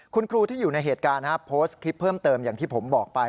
คุณครูที่อยู่ในเหตุการณ์โพสต์คลิปเพิ่มเติมอย่างที่ผมบอกไป